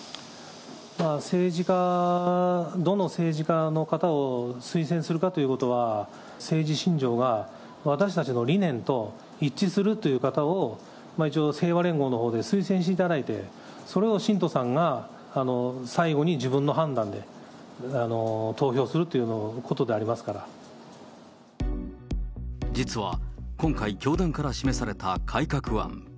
まあ、政治家、どの政治家の方を推薦するかということは、政治信条が私たちの理念と一致するという方を一応、平和連合のほうで推薦していただいて、それを信徒さんが最後に自分の判断で、投票するということでありますから、実は、今回、教団から示された改革案。